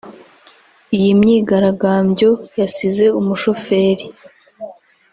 Iyi myigaragambyo yasize umushoferi